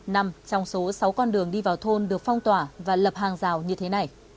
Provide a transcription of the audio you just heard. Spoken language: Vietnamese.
nằm trong số sáu con đường đi vào thôn được phong tỏa và lập hàng rào như thế này